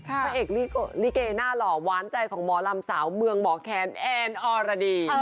พระเอกลิเกหน้าหล่อหวานใจของหมอลำสาวเมืองหมอแคนแอนอรดี